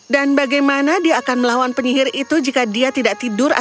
dan bagaimana dia akan melawan penyihir itu jika dia tidak tetap di sini